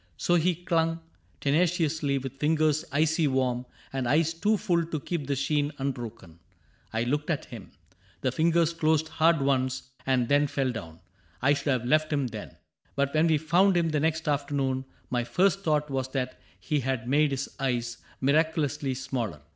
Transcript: So he clung, Tenaciously, with fingers icy warm. And eyes too full to keep the sheen unbroken. I looked at him. The fingers closed hard once, And then fell down. — I should have left him then. But when we found him the next afternoon. My first thought was that he had made his eyes Miraculously smaller.